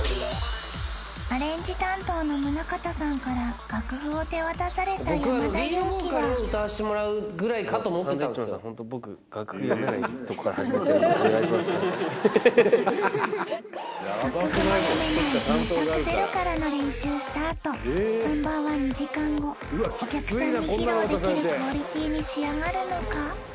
アレンジ担当のむなかたさんから楽譜を手渡された山田裕貴は楽譜も読めない全くゼロからの練習スタート本番は２時間後お客さんに披露できるクオリティーに仕上がるのか？